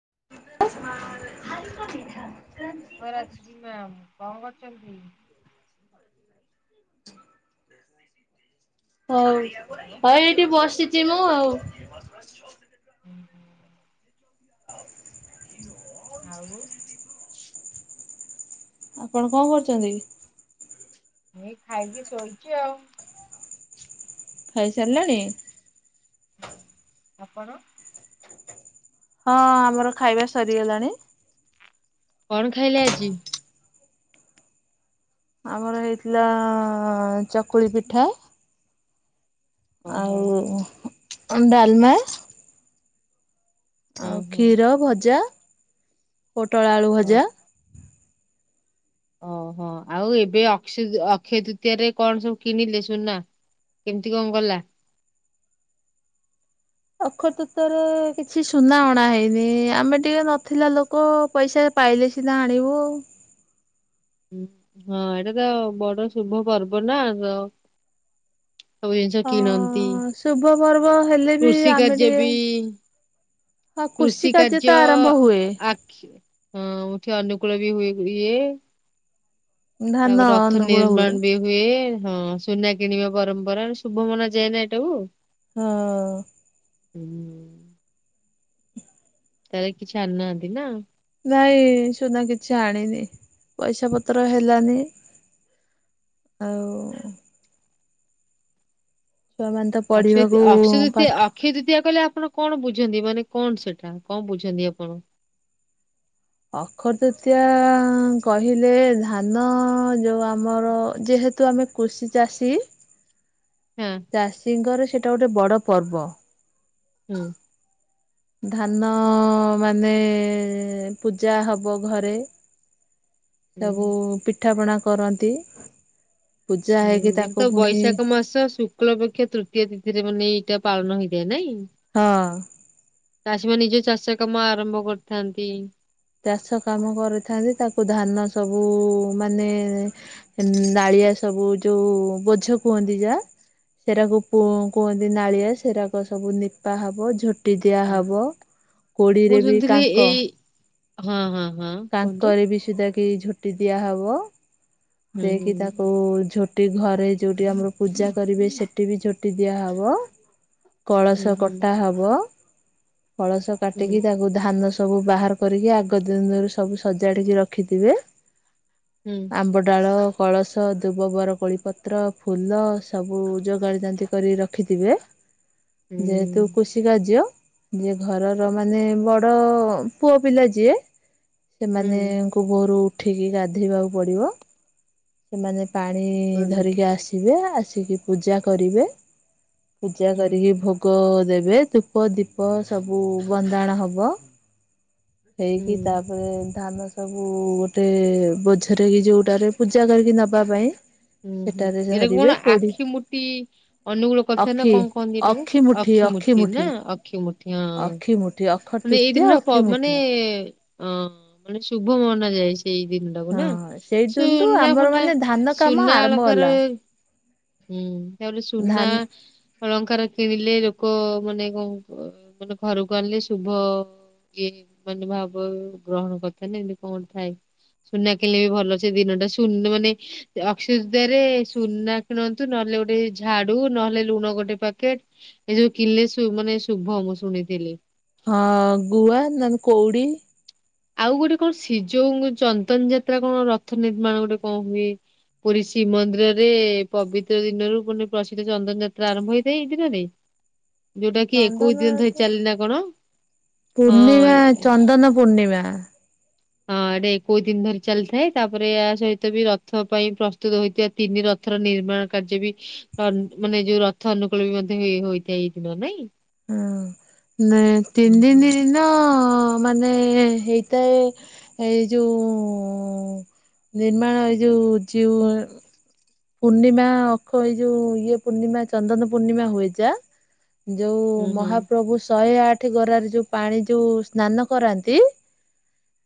[inaudible] ରାତ୍ରୀ ମ୍ୟାାମ କଣ କରୁଛନ୍ତି? ହଉ ହ୍ୟାଲୋ ହଉ ଏଇଠି ବସି ଚି ମୁ ଆଉ। ହୁଁ ହୁଁ। [unintelligible] ଆଉ ଆପଣ କଣ କରୁଛନ୍ତି? ଏଇ ଖାଇକି ଶୋଇଛି ଆଉ। ଖାଇସାରିଲେଣି? ଆପଣ। ହଁ ଆମର ଖାଇବା ସରିଗଲାଣି। କଣ ଖାଇଲେ ଆଜି? ଆମର ହେଇଥିଲା, ଚକୁଳି ପିଠା ଓହୋ ଆଉ ଡାଲମା ହଁ ଆଉ ହଁ କ୍ଷୀର, ଭଜା ପୋଟଳ ଆଳୁ ଓ ଭଜା ଓହୋ ଆଉ ଏବେ ଅକ୍ସ୍ ଅକ୍ଷୟ ଦୃତୀୟରେ, କଣ ସବୁ କିନିଲେ ସୁୁନା? କେମିତି କଣ, ଗଲା? ଅକ୍ଷତୂତରେ କିଛି ସୁନା ଅଣା ହେଇନି। ଆମେ ଟିକେ ନଥିଲା ଲୋକ ପଇସା ପାଇଲେ ସିନା ଆଣିିବୁ। ହଁ ଏଇଟା ତ ବଡ ଶୁଭ ପର୍ବ ନା ତ ସବୁ ଜିନିଷ ଅ କିଣନ୍ତି। ଶୁଭ ପର୍ବ ହେଲେ ବି କୃଷି ଆମେ ଟିକେ କାର୍ଯ୍ୟବି ହଁ କୃଷି ତ କାର୍ଯ୍ୟ ଆରମ୍ଭ ହୁଏ ଆଖି ହୁଁ ଠିଆ ଅନୁକୂଳବି ହୁ-ହୁଏ। ଧାନ ତାପରେ ରଥ ଅନୁକୂଳ ହୁଏ ନିର୍ମାଣ ବି ହୁଏ। ହଁ ସୁନା କିଣିବା ପରମ୍ପରା ଶୁଭ ମନା ଯାଏନା ଏଟାକୁ। ହଁ। ହୁଁ। ତାହେଲେ କିଛି, ଆଣି ନାହାନ୍ତି ନା? ନାଇଁ ସୁନା କିଛି ଆଣିନି ପଇସା ପତର ହେଲାନି। ଆଉ। ଛୁଆମାନେ ତ ଅକ୍ସୟତ୍, ପଢିବାକୁ ଅକ୍ସୟ ତୃତୀୟା, ପାଠ ଅକ୍ଷୟ ତୃତୀୟା କଇଲେ ଆ ଆପଣ କଣ, ବୁଝନ୍ତି? ମାନେ କଣ ସେଟା କଣ ବୁଝନ୍ତି ଆପଣ? ଅଖତୃତୀୟା କହିଲେ, ଧାନ ଯୋଉ ଆମର ଯେହେ ହେତୁ, ଆମେ କୃଷି ଚାଷୀ [unintelligible] ହଁ ଚାଷୀଙ୍କର ସେଟା ଗୋଟେ ବଡ ପର୍ବ। ହୁଁ। ଧାନ ମାନେ, ପୂଜା ହବ ଘରେ। ହୁଁ। ସବୁ ପିଠାପଣା କରନ୍ତି। ପୂଜା ହୁଁ ହେଇକି ଏବେ ତାକୁ ତ ପୁଣି ବୈଶାଖ ମାସ ଶୁକ୍ଳ ପକ୍ଷ ତୃତୀୟା ଦି ଏଥିରେ ମାନେ ଏଇଟା ପାଳନ ହେଇଥାଏ ନାଇଁ ହଁ। ଚାଷୀ ମାନ ନିଜ ଚାଷ କାମ ଆରମ୍ଭ କରିଥାନ୍ତି। ଚାଷକାମ କରିଥାନ୍ତି। ତାକୁ ଧାନ ସବୁ, ମାନେ ନା ଏଇଆ ସବୁ ଯୋଉ ବୋଝ କୁହନ୍ତି ଯା। ସେଟାକୁ କୁ କୁହନ୍ତି ନାଳିଆ। ସେରାକ ସବୁ ନିପା ହବ ଝୋଟି ଟି। ହୁଁ। ଦିଆହେବ ମୁଁ କୋଡ଼ିରେ ବି ଶୁଣିଥିଲି କାଙ୍କ ଏଇ ହଁ ହଁ। ହଁ କୁହନ୍ତୁ ତାଙ୍କରିବି ସୁଧା କି ଝୋଟିଦିଆ ହବ। ହୁଁ ଦେଇକି ତାକୁ ହୁଁ। ଝୋ ଟି। ଘରେ ଯୋଉଠି ଆମର ପୂଜା କରିବେ ସେଠି ବି ଝୋଟି ଦିଆହବ। ହୁଁ କଳସ ହୁଁ କଟା ହବ। କଳସ ହୁଁ କାଟିକି ତାକୁ ଧାନ ସବୁ ବାହାର କରିକି ଆଗ ଦିନ ରୁ ସବୁ ସଜାଡିକି ରଖିଥିବେ। ହୁଁ। ଆମ୍ବ ଡାଳ, କଳସ, ଦୁବବରକୋଳିପତ୍ର, ଫୁଲ ସବୁ ଯୋଗାଡ଼ି ଯାନ୍ତି କରି ରଖିଥି ବେ। ହୁଁ ଯେହେତୁ କୃଷି କାର୍ଯ୍ୟ ଯିଏ ଘରର ମାନେ ବଡ ପୁଅ ପିଲା ଯିଏ ହୁଁ ସେମାନେଙ୍କୁ ଭୋରୁ ଉଠିକି ଗାଧୋଇବାକୁ ପଡିବ। ସେମାନେ ପାଣି ହୁଁ ଧରିକି ଆସିବେ ଆସିକି ପୂଜା କରିବେ। ପୂଜା ହୁଁ କରିକି ଭୋଗ ଦେବେ ଧୂପ ଦୀପ ସବୁ ବନ୍ଦାଣ ହବ। ହେଇକି ହୁଁ ତାପରେ ଧାନ ସବୁ ଗୋଟେ ବୋଝରେ କି ଯୋଉଟାରେ ପୂଜା କରିକି ନବା ପାଇଁ। ହୁଁ ହୁଁ ସେଟାରେ ଏଇଟାକୁ ଧରିବେ କଣ କୋଡି ଆଖି ମୁୁଟି ଅନୁଗୁଳ କଥା ନା ଅଖି କଣ କହନ୍ତି ଏଇଟାକୁ? ଅଖି ମୁଠି ଅଖି ଅଖିମୁଠି ନା ମୁଠି ଅକ୍ଷମୁଠି ହଁ ଅଖି ମୁଠି ଅକ୍ଷର ମାନେ ତୃତୀୟ ଏଇଦିନ ଅଖି ମୁଠି। ମାନେ ହଁ ମାନେ ଶୁଭ ମନାଯାଏ ସେଇ ଦିନ ଟାକୁ ନା ହଁ ସେଇ ଦିନଠୁ ସୁନା ଆମର ଫୁନା ମାନେ ଧାନ କାମ ସୁନା ଆରମ୍ଭ ଆଳଙ୍କର ହେଲା। ହୁଁ ତାପ ସୁନା ଧାନ ଅଳଙ୍କାର କିଣିଲେ ଲୋକ ମାନେ କଣ ମାନେ ଘରକୁ ଆଣିଲେ ଶୁଭ। କିଏ ମାନେ ଭାବ ଗ୍ରହଣ କଥା ନା ଏମତି କଣ ଥାଏ? ସୁନା କିଲେ ବି ଭଲ ଅ ସେ ଦିନଟା ସୁନା ମାନେ ଅଖୟ ତୃ ରେ ସୁନା କିୁଣନ୍ତୁ ନହେଲେ ଗୋଟେ ଝାଡୁ ନହେଲେ ଲୁଣ ଗୋଟେ ପ୍ୟାକେଟ ଏ ଯବୁ କିଣିଲେ ମାନେ ଶୁଭମ୍। ମୁଁ ଶୁଣିଥିଲି। ହଁ ଗୁଆ ନ ନେ କଉଡ଼ି। ଆଉ ଗୋଟେ କଣ ସି ଯଉ ଚନ୍ଦନ ଯାତ୍ରା କଣ ରଥ ନିର୍ମାଣ ଗୋଟେ କଣ ହୁଏ। ପୁରୀ ଶ୍ରୀମନ୍ଦିରରେ ପବିତ୍ର ଦିନରୁ ମାନେ ପ୍ରସିଦ୍ଧ ଚନ୍ଦନ ଯାତ୍ରା ଆରମ୍ଭ ହେଇଥାଏ ଏଇ ଦିନରୋଇ। ଚନ୍ଦନ ନା କଣ? ହଁ ପୂର୍ଣ୍ଣିମା ଏ ଚନ୍ଦନ ପୂର୍ଣ୍ଣିମା। ହ ହଁ। ଏଇଟା ଏକୋଇଶି ଦିନ ଧରି ଚାଲିଥାଏ ତାପରେ ୟା ସହିତ ବି ରଥ ପାଇଁ ପ୍ରସ୍ତୁତ ହୋଇଥିବା ତିନି ରଥର ନିର୍ମାଣ କାର୍ଯ୍ୟ ବି ମାନେ ଯୋଉ ରଥ ଅନୁକୂଳ ବି ମଧ୍ୟ ହୋଇଥାଏ ଏଇ ଦିନ ନାଇଁ। ହ ନା ହୁଁ ତିନି ହୁଁ ଦିନ ଅ ମାନେ ହେଇଥାଏ ଏ ଇ ଯୋଉ ନିର୍ମାଣ ଏ ଯୋଉ ଜୀଉ ପୂର୍ଣ୍ଣିମା ଅଖ ଏଇ ଯୋଉ ଇଏ ପୂର୍ଣ୍ଣିମା ଚନ୍ଦନ ପୂର୍ଣ୍ଣିମା ହୁଏ ଯା ଯୋଉ ହୁଁ ହୁଁ ମହାପ୍ରଭୁ ଶହେ ଆଠ ଗରାରେ ଯୋଉ ପାଣି ଯୋଉ ସ୍ନାନ କରାନ୍ତି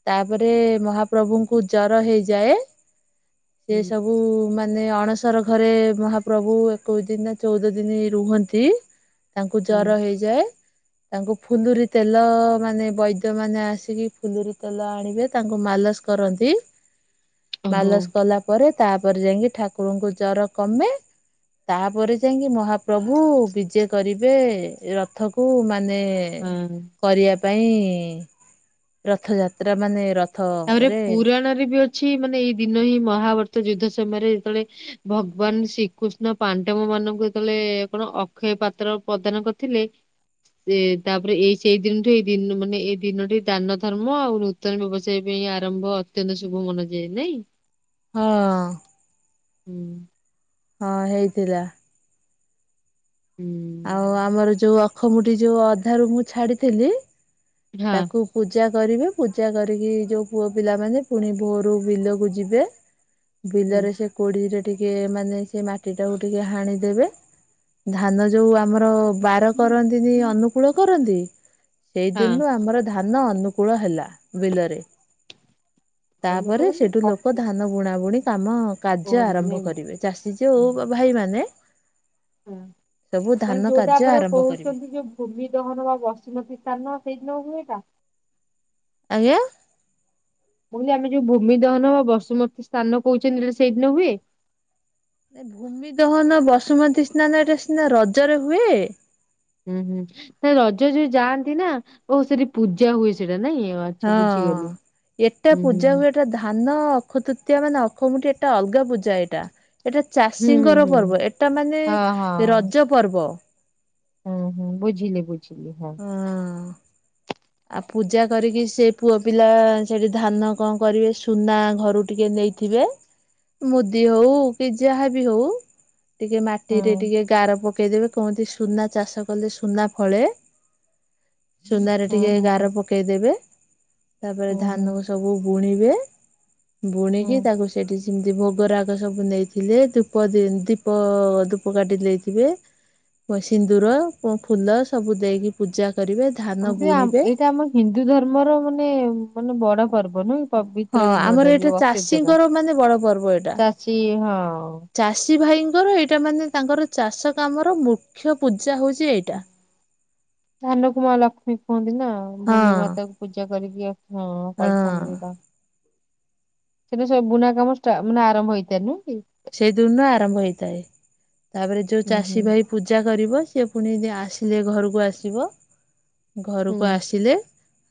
ତାପରେ ମହାପ୍ରଭୁଙ୍କୁ ଜର ହେଇଯାଏ। ସେ ହୁଁ ସବୁ ମାତ୍ ମାନେ ଅଣସର ଘରେ ମହାପ୍ରଭୁ ଏକୋଇଶ ଦିନ ଚଉଦ ଦିନ ରୁହନ୍ତି। ତାଙ୍କୁ ହୁଁ ଜର ହେଇଯାଏ। ତାଙ୍କୁ ଫୁଲରି ତେଲ ମାନେ ବୈଦ୍ୟ ମାନେ ଆସିକି ଫୁଲରି ତେଲ ଆଣିବେ ତାଙ୍କୁ ମାଲ ମାଲସ କରନ୍ତି। ଓହୋ ମାଲସ କଲା ପରେ ତାପରେ ଯାଇକି ଠାକୁରଙ୍କୁ ଜର କମେ। ତାପରେ ଯାଇକି ମହାପ୍ରଭୁ ବିଜେ କରିବେ ରଥ କୁ ମାନେ ହଁ। କରିବା ପାଇଁ ରଥଯାତ୍ରା ମାନେ ରଥ ତାପରେ ପୁରାଣରେ ବି ଅଛି ଅଛି ମାନେ ଏଇ ଦିନ ହିଁ ମହାଭାରତ ଯୁଦ୍ଧ ସମୟରେ ଯେତେବେଳେ ଭଗବାନ ଶ୍ରୀକୃଷ୍ଣ ପାଣ୍ଡବ ମାନଙ୍କୁ ଯେତେବେଳେ କଣ ଅକ୍ଷୟ ପାତ୍ର ପ୍ରଦାନ କରିଥିଲେ ଏ ତାପରେ ଏଇ ସେଇ ଦିନଠୁ ଏଇ ଦ ମାନେ ଏଇ ଦିନଠ ଦାନ ଧର୍ମ ଆଉ ନୂତନ ବ୍ୟବସ୍ଥା ସେଇ ପାଇଁ ଆରମ୍ଭ ଅତ୍ୟନ୍ତ ଶୁଭ ମନାଯାଏ ନାଇଁ ହଁ ହୁଁ ହଁ ହେଇଥିଲା ହୁଁ ଆଉ ଆମର ଯୋଉ ଅଖମଟି ଯୋଉ ଅଧାରୁ ମୁଁ ଛାଡିଥିଲି ତାକୁ ପୂଜା କରିବେ, ପୂଜା କରିକି ଯୋଉ ପୁଅ ପିଲାମାନେ ପୁଣି ଭୋରୁ ବିଲକୁ ଯିବେ ହଁ ବିଲରେ ସେ କୋଡିରେ ଟିକେ ମାନେ ସେ ମାଟି ଟାକୁ ଟିକେ ହାଣିଦେବେ ଧାନ ଯୋଉ ଆମର ବାର କରନ୍ତିନି, ହୁଁ। ଅନୁକୂଳ କରନ୍ତି ଦିନୁ ଆମର ଧାନ ଅନୁକୂଳ ହେଲା ବିଲରେ ତାପରେ ସେଠୁ ଲୋକ ଧାନ ବୁଣା ବୁଣି କାମ କାର୍ଯ୍ୟ ହଁ ମାନେ ଆରମ୍ଭ କରିବେ, ଚାଷୀ ଯଉ ଭାଇମାନ ହୁଁ ମାନେ ଯୋଉଟା କାର୍ଯ୍ୟ ଆମର ଆରମ୍ଭ କରିବେ। କହୁଛନ୍ତି ଯୋଉ ଭୂମି ଦହନ ବା ବସୁମତୀ ସ୍ଥାନ ସେଦିନ ହୁଏ ଏଟା ଆଜ୍ଞା ମୁଁ କହିଲି ଆମେ ଯୋଉ ଭୂମି ଦହନ ବା ବସୁମତୀ ସ୍ଥାନ କହୁଛନ୍ତି ଏଇଟା ସେଇଦିନ ହୁଏ? ଭୂମି ଦହନ ବସୁମତୀ ସ୍ନାନ ଏଟା ସିନା ରଜରେ ହୁଏ ହୁଁ ହୁଁ ତା ରଜ ଯୋଉ ଯାଆନ୍ତି ନା ଓ ସେଠି ପୂଜା ହୁଏ ସେଇଟା ନାଇଁ ଆଚ୍ଛା ବୁଝିଗଲି। ହଁ ଏଟା ହୁଁ ହୁଁ ପୂଜା ହୁଁ। ହୁଏ ଏଟା ଧ ନା ଅଖ ତୃତୀୟା ମାନେ ଅଖ ମୁଠି ଏଟା ଅଲଗା ପୂଜା ଏଇଟା ଏଟା ହୁଁ ହୁଁ ଚାଷୀଙ୍କର ହୁଁ ପର୍ବ, ଏଟା ମାନେ ହଁ ହଁ ରଜ ପର୍ବ। ହୁଁ ହୁଁ ବୁଝିଲି, ବୁଝିଲି ହଁ ଆଉ ପୂଜା କରିକି ସେ ପୁଅ ପିଲା ସେଠି ଧାନ କଣ କରିବେ ସୁନା ଘରୁ ଟିକେ ଦେଇଥିବେ ମୁଦି ହଉ କି ଯାହା ବି ହଉ ଟିକେ ହୁଁ ମାଟିରେ ଟିକେ ଗାର ପକେଇଦେବେ କହନ୍ତି ସୁନା ଚାଷ କଲେ ସୁନା ଫଳେ। ସ [unintelligible] ହୁଁ ଟିକେ ହୁଁ ଗାର ପକେଇଦବେ ତାପରେ ହୁଁ ହୁଁ ଧାନକୁ ସବୁ ବୁଣିବେ। ବୁଣିକି ହୁଁ ତାକୁ ସେଠି ଯେମିତି ଭୋଗ ରାଗ ସବୁ ନେଇଥିଲେ ଧୂପ ଦୀପ ଧୂପ କାଟି ଦେଇଥିବେ। ସିନ୍ଦୁର ଫୁଲ ସବୁ ଦେଇକି ପୂଜା କରିବେ ଧାନ ଆମକୁ ବୁଣିବେ ଏଇଟା ଆମ ହିନ୍ଦୁ ଧର୍ମର ମାନେ ମାନେ ବଡ ପର୍ବ ନୁଁ ହଁ ପବିତ୍ର ଆମର ଦିନଟା ଏଇଟା ଯୋଉ ଅକ୍ଷତ ଟା, ଚାଷୀଙ୍କର ମାନେ ବଡ ପର୍ବ ଏଇଟା ଚାଷୀ ହଁ ଚାଷୀ ଭାଇଙ୍କର ଏଇଟା ମାନେ ତାଙ୍କର ଚାଷ କାମର ମୁଖ୍ୟ ହଉଛି ଏଇଟା। ଧାନୁ କୁ ମାଲକ୍ଷ୍ମୀ କୁହନ୍ତି ନା ଭୂମି ହଁ ମାତାକୁ ପୂଜା କରିକି ହଁ ହଁ ଫଳଥାନ ଯା [unintelligible] ସେଟୁ ସବୁ ବୁନା କାମ, ମାନେ ଆରମ୍ଭ ହେଇଥାଏ ନୁ ସେଇ ଦିନ ଆରମ୍ଭ ହେଇଥାଏ ତାପରେ ଯୋଉ ହୁଁ ଚାଷୀ ଭାଇ ପୂଜା କରିବ ସେ ପୁଣି ଯଦି ଆସିଲେ, ଘରକୁ ଆସିବ, ହୁଁ ଘରକୁ ଆସିଲେ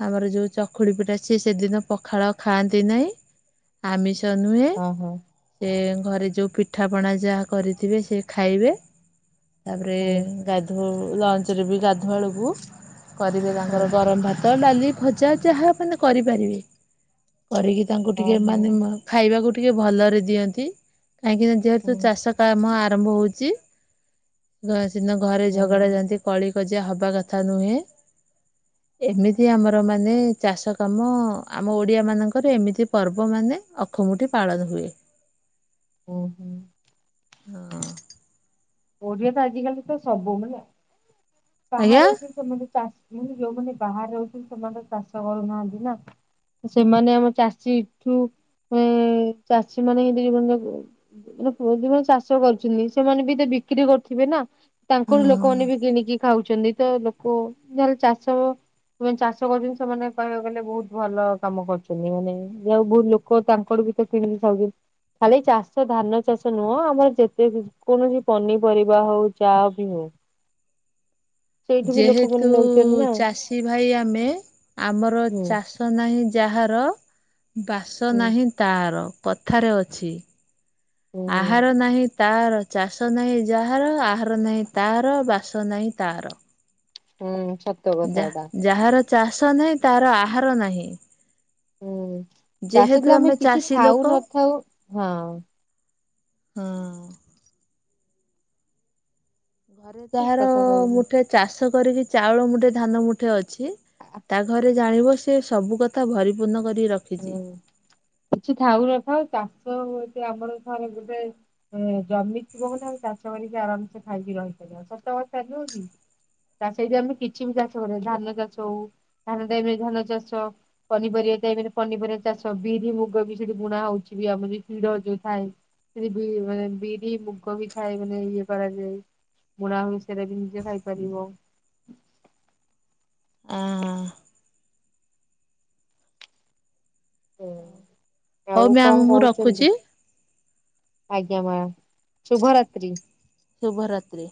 ଆମର ଯୋଉ ଚକୁଡି ପିଠା ସ ସେଦିନ ପଖାଳ ଖାଆନ୍ତି ନାହିଁ, ଆମିଷ ନୁହେଁ ହୁଁ ହଁ ସେ ଘରେ ଯେଉଁ ପିଠାପଣା ଯାହା କରିଥିବେ, ସେ ଖାଇବେ ତାପରେ ହଁ ଗାଧୋଇ ଲଞ୍ଚରେ ବି ଗାଧୁଆଳକୁ କରିବେ ହୁଁ ତାଙ୍କର ଗରମ ଭାତ ଭାତ ଡାଲି ଭଜା ଯାହା ମାନେ କରିପାରିବେ କରିକି ତାଙ୍କୁ ହୁଁ ଟିକେ ହଁ ହଁ ମାନେ ଖାଇବାକୁ ଟିକେ ଭଲରେ ଦିଅନ୍ତି। କାହିଁକି ଯେହେତୁ ହୁଁ ଚାଷ କାମ ଆରମ୍ଭ ହଉଛି ଦିନ ଘରେ ହୁଁ ଝଗଡା ଝାନ୍ତି କଳିିକଜିଆ ହବା କଥା ନୁହେଁ। [inaudible] ଏମିତି ଆମର ମାନେ ଚାଷ କାମ, ଆମ ଓଡିଆ ମାନଙ୍କର ଏମିତି ପର୍ବ ମାନେ ଅ ଅଖୀମୁଠି ପାଳନ ହୁଏ। ଓ ହୋ। ହଁ। ଓଡିଆ ତ ଆଜିକାଲି ତ ସବୁ, ମାନେ ଆଜ୍ଞା ବାହାରେ ରହିକି ସେମାନେ ଚାଷ ହୁଁ ଯୋଉମାନେ ବାହାରେ ରହୁଛନ୍ତି! ସେମାନେ ତ ଚାଷ କରୁନାହାନ୍ତି ନା। ସେମାନେ ଆମ ଚାଷୀ ଠୁ, ଏ ଚାଷୀ ମାନେ ଦୁଇଜଣ ଯାକ ଯଉ ପୁଅପିଲା ଚାଷ କରୁଛନ୍ତି ସେମାନେ ବି ବିକ୍ରି କରୁଥିବେ ନା। ତାଙ୍କର ହଁ ଲୋକମାନେ ବି କିଣିକି ଖାଉ- ଛନ୍ତି, ତ ଲୋକ ଯହେଲେ ଚାଷ ସେମାନେ ଚାଷ କରୁଛନ୍ତି, ସେମାନେ କହିବାକୁ ଗଲେ ବହୁତ ଭଲ କାମ କରୁଛନ୍ତି। ମାନେ ଯଉ ବହୁତ ଲୋକ ତାଙ୍କର ସେ କିଣିକି ଖାଉଛନ୍ତି। ଖାଲି ଚାଷ ଧାନ ଚାଷ ନୁହଁ ଆମର ଯେତେ କୌଣସି ପନିପରିବା ହଉ ଯାହା ବି ହଉ। ସେଇଠୁ ବି ଲୋକମାନେ ଯେହେତୁ ନଉଛନ୍ତି ନା। ଚାଷୀ ଭାଇ ଆମେ। ଆମର ହୁଁ ଚାଷ ନାହିଁ ଯାହାର ବାସ ହୁଁ ନାହିଁ ତାର କଥାରେ ଅଛି। ହୁଁ ହୁଁ ଆହାର ନାହିଁ ତା ଚାଷ ନାହିଁ ଯାହାର ଆହାର ନାହିଁ ତାହାର ବାସ ନାହିଁ ତାର। ହୁଁ। ସତ କଥା ଯା ଏଟା ଯାହାର ଚାଷ ନାହିଁ, ତାହାର ଆହାର ନାହିଁ। ହୁଁ ଚାଷ ଯେହେତୁ ଥିଲେ ଆମେ କିଛି ଚାଷୀ ଥାଉ ଲୋକ ନଥାଉ ହଁ। ହଁ। ଘରେ ଠିକ ଯାହାର କଥା କହିଲୁ ମୁଠେ ଚାଷ କରିକି, ଚାଉଳ ମୁଠେ ଧାନ ମୁଠେ ଅ ଛି, ତା ଘରେ ଜାଣିବ ସେ ସବୁ କଥା ଭରିପୂର୍ଣ୍ଣ କରି ରଖିଛି। ହୁଁ କିଛି ଥାଉ ନଥାଉ ଚାଷ ହ ଏ ଆମର ରେ ଗୋଟେ ଜମି ଥିବ ମାନେ, ଆମେ ଚାଷ କରିକି ଆରାମସେ ଖାଇକ ରହି ପାରିବା ସତ କଥା ନୁହଁ କି। ତା ସେଇଠି ଆମେ କିଛି ବି ଚାଷ କରିବା। ଧାନ ଚାଷ ହଉ ଧାନ ଟାଇମରେ ଧାନ ଚାଷ, ପନିପରିବା ଟାଇମରେ ପନିପରିବା ଚାଷ। ବିରି ମୁଗ ବି ସେଠି ବୁଣା ହଉଛି ବି ଆର ଯ ହିଡ଼ ଯୋଉ ଥାଏ। ଯଦି ବି ମାନେ ବିରି ମୁଗ ବି ଥାଏ ମାନେ ଇଏ କରାଯାଏ। ବୁଣା ହୁଏ ସେରା ବି ନିଜେ ଖାଇପାରିବ। ଆ ହ। ହୁଁ ହଉ ଆଉ ମ୍ୟାମ୍ କଣ ମୁଁ କହୁଛନ୍ତି? ରଖୁଛି ଆଜ୍ଞା ମାଡ଼ାମ ଶୁଭରାତ୍ରି। ଶୁଭରାତ୍ରି।